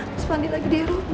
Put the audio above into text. terus mandi lagi di eropa